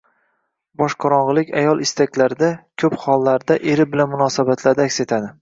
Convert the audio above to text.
Boshqorong‘ilik ayol istaklarida, ko‘p hollarda eri bilan munosabatlarida aks etadi.